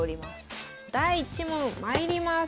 第１問まいります。